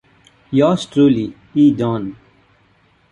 Yours truly, E. Daun.